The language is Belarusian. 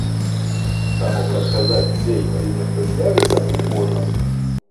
Таму прадказаць, дзе і калі нешта з'явіцца, мы не можам.